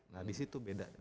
nah disitu beda